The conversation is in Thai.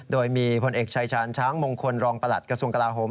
โดยมีผลเอกชายชาญช้างมงคลรองประหลัดกระทรวงกลาโหม